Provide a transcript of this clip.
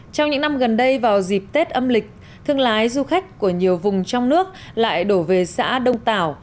trong những năm gần đây vào dịp tết âm lịch thương lái du khách của nhiều vùng trong nước lại đổ về xã đông tảo